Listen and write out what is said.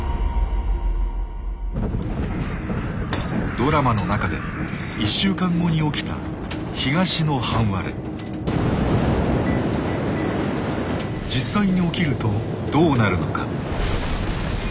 ドラマの中で１週間後に起きた実際に起きるとどうなるのか。